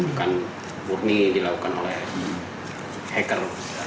bukan murni dilakukan oleh hacker